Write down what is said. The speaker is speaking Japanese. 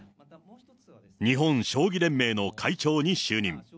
日本将棋連盟の会長に就任。